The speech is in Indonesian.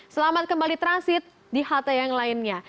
selamat kembali transit di halte yang lainnya